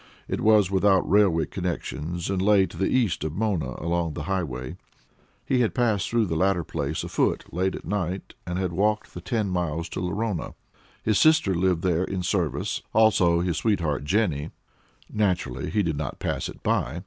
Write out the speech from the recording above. It was without railway connections and lay to the east of Mona, along the Highway. He had passed through the latter place afoot, late at night, and had walked the ten miles to Lorona. His sister lived there in service, also his sweetheart Jennie. Naturally, he did not pass it by.